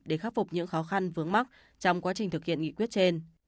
để khắc phục những khó khăn vướng mắt trong quá trình thực hiện nghị quyết trên